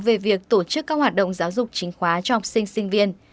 về việc tổ chức các hoạt động giáo dục chính khóa cho học sinh sinh viên